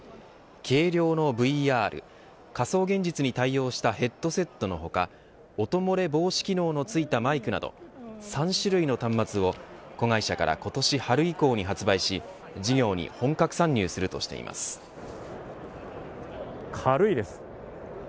軽量のＶＲ仮想現実に対応したヘッドセットの他音漏れ防止機能の付いたマイクなど３種類の端末を子会社から今年春以降に発表し事業に軽いです。